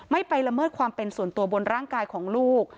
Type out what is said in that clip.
ไม่ไปละเมิดความเป็นส่วนตัวบนร่างกายของลูก